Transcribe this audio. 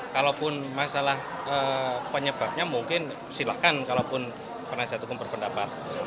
kalaupun masalah penyebabnya mungkin silahkan kalaupun penasihat hukum berpendapat